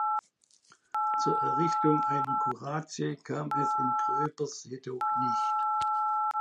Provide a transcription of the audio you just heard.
Zur Errichtung einer Kuratie kam es in Gröbers jedoch nicht.